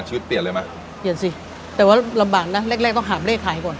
เปลี่ยนเลยไหมเปลี่ยนสิแต่ว่าลำบากนะแรกแรกต้องหามเลขขายก่อน